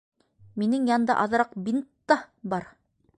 Минең янда аҙыраҡ бинт та бар.